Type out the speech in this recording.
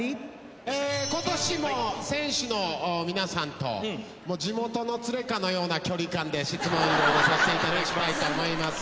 ええ今年も選手の皆さんと地元のツレかのような距離感で質問いろいろさせて頂きたいと思います。